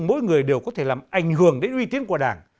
mỗi người đều có thể làm ảnh hưởng đến uy tín của đảng